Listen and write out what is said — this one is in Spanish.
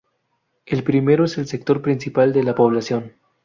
El primero es el sector principal de la población.